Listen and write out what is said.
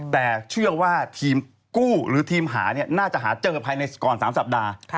แต่เชื่อว่าทีมกู้หรือทีมหาน่าจะหาเจอภายในก่อน๓สัปดาห์